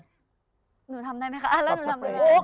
หนูทำได้ไหมคะแล้วหนูทำได้ไหม